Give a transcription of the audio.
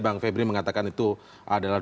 bang febri mengatakan itu adalah